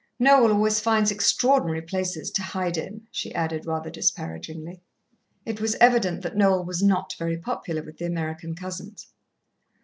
"Noel always finds extraordinary places to hide in," she added rather disparagingly. It was evident that Noel was not very popular with the American cousins.